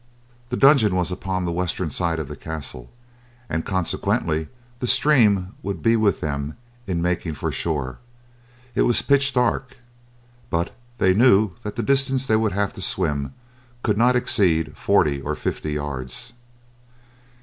The dungeon was upon the western side of the castle, and consequently the stream would be with them in making for shore. It was pitch dark, but they knew that the distance they would have to swim could not exceed forty or fifty yards.